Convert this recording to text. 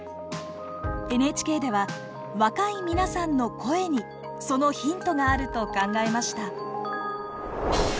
ＮＨＫでは若い皆さんの声にそのヒントがあると考えました。